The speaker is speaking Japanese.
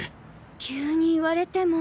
急に言われても。